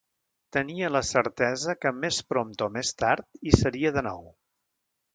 Tenia la certesa que, més prompte o més tard, hi seria de nou.